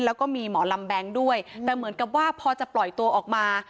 แล้วก็มีหมอลำแบงค์ด้วยแต่เหมือนกับว่าพอจะปล่อยตัวออกมา